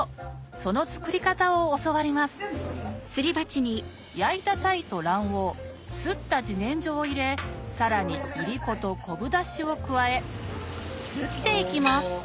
その作り方を教わります焼いたタイと卵黄擦った自然薯を入れさらにいりこと昆布出汁を加え擦っていきます